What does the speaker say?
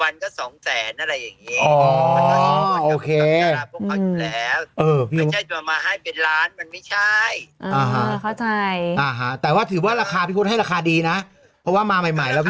ตอนที่เกธยรอดูเนี้ยหอแจกแห่งโควิดกันมาก